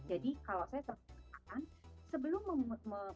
jadi kalau saya terpaksakan sebelum mengambil keputusan